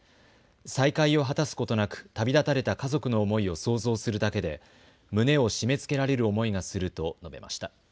さいかいを果たすことなく旅立たれた家族の思いを想像するだけで胸を締めつけられる思いがすると述べました。